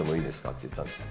って言ったんですよ。